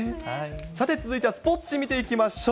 さて、続いてはスポーツ紙見ていきましょう。